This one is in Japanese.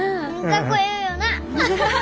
かっこええよな！